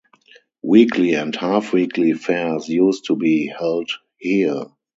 Weekly and half-weekly fairs used to be held here.